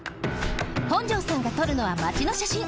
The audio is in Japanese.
本城さんがとるのはマチのしゃしん。